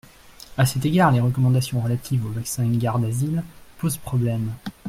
À cet égard, les recommandations relatives au vaccin Gardasil posent problème.